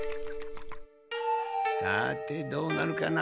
さてどうなるかな。